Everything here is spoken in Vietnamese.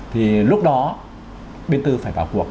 thì lúc đó bên tư phải vào cuộc